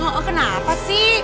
oh kenapa sih